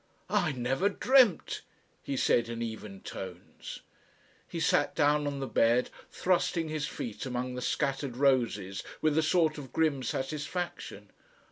"I never dreamt," he said in even tones. He sat down on the bed, thrusting his feet among the scattered roses with a sort of grim satisfaction.